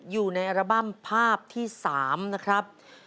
อยู่ในอัลบั้มภาพที่๓นะครับ